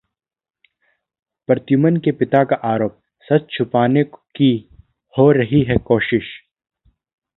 प्रद्युम्न के पिता का आरोप- सच छुपाने की हो रही है कोशिश